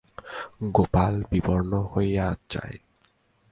গোপাল বিবর্ণ হইয়া যায়।